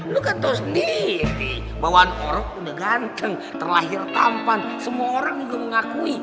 lo kan tau sendiri bahwa orang udah ganteng terlahir tampan semua orang udah mengakui